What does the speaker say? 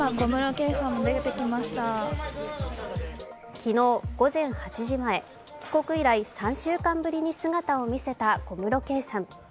昨日、午前８時前、帰国以来３週間ぶりに姿を見せた小室圭さん。